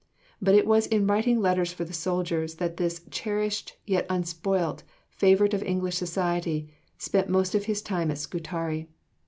But it was in writing letters for the soldiers that this "cherished, yet unspoilt, favourite of English society" spent most of his time at Scutari.